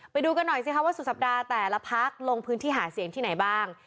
ไปดูกันหน่อยสิคะว่าสุดสัปดาห์แต่ละพักลงพื้นที่หาเสียงที่ไหนบ้าง